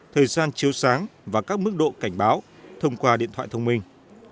thời gian chiếu sáng và các mức độ cảnh báo thông qua điện thoại thông minh